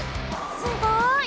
すごい！